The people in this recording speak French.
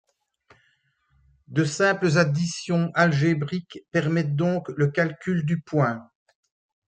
De simples additions algébriques permettent donc le calcul du point.